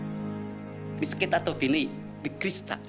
見つけた時にびっくりした。